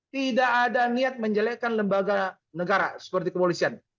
tidak ada niat menjelekan lembaga negara seperti kepolisian